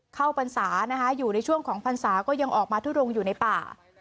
เข้าปรรรษาอยู่ในช่วงของปรรษาก็ยังออกมาทุดงอยู่ในป่า